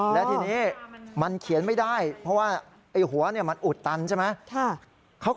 และทีนี้มันเขียนไม่ได้เพราะว่าไอ้หัวมันอุดตันใช่ไหม